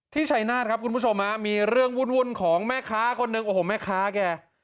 ชัยนาธครับคุณผู้ชมฮะมีเรื่องวุ่นของแม่ค้าคนหนึ่งโอ้โหแม่ค้าแก